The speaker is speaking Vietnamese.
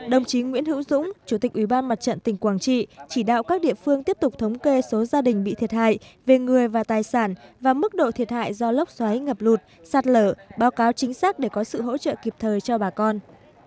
đồng chí nguyễn hữu dũng chủ tịch ủy ban mặt trận tỉnh quảng trị chỉ đạo các địa phương tiếp tục thống kê số gia đình bị thiệt hại về người và tài sản và mức độ thiệt hại do lốc xoáy ngập lụt sạt lở báo cáo chính xác để có sự hỗ trợ kịp thời cho bà con